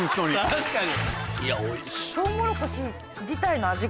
確かに。